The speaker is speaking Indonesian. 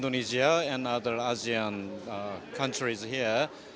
dan memperbaiki kultur korea